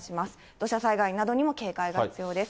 土砂災害などにも警戒が必要です。